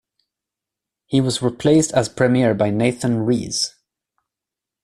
He was replaced as premier by Nathan Rees.